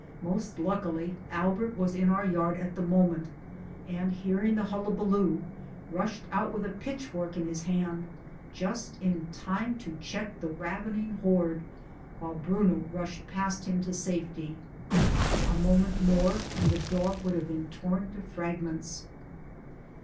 Most luckily Albert was in our yard at the moment, and hearing the hulla baloo rushed out with a pitchfork in his hand, just in time to check the ravening horde while Bruno rushed past him to safety. A moment more and the dog would have been torn to fragments.